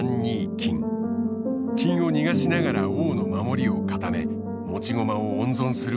金を逃がしながら王の守りを固め持ち駒を温存することもできる。